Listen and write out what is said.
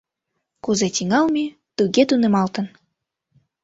Кузе тӱҥалме, туге тунемалтын.